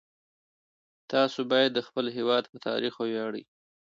تاسو باید د خپل هیواد په تاریخ وویاړئ.